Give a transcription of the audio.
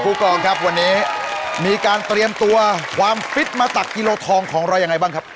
กองครับวันนี้มีการเตรียมตัวความฟิตมาตักกิโลทองของเรายังไงบ้างครับ